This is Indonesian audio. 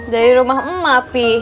dari rumah emak fi